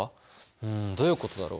うんどういうことだろ？